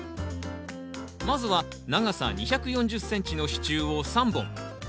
まずは長さ２４０ｃｍの支柱を３本。